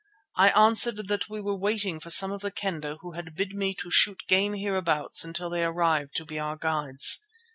I answered that we were waiting for some of the Kendah who had bid me to shoot game hereabouts until they arrived to be our guides.